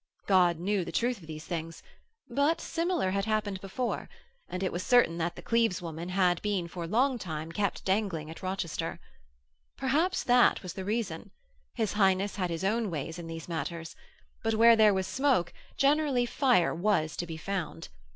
God knew the truth of these things: but similar had happened before; and it was certain that the Cleves woman had been for long kept dangling at Rochester. Perhaps that was the reason. His Highness had his own ways in these matters: but where there was smoke, generally fire was to be found.